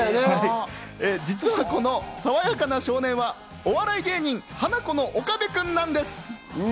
実はこの爽やかの少年は、お笑い芸人、ハナコの岡部君なんです。